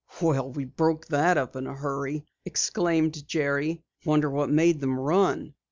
"Well, we broke that up in a hurry!" exclaimed Jerry. "Wonder what made them run?"